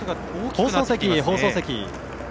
放送席、放送席。